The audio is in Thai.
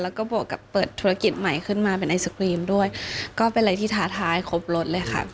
แล้วก็บวกกับเปิดธุรกิจใหม่ขึ้นมาเป็นไอศครีมด้วยก็เป็นอะไรที่ท้าทายครบรถเลยค่ะ